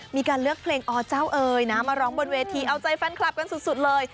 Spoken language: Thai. มีการเลือกเพลงอเจ้าเอ๋ยนะมาร้องบนเวทีเอาใจแฟนคลับกันสุดเลย